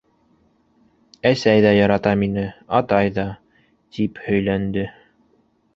-Әсәй ҙә ярата мине, атай ҙа, - тип һөйләнде.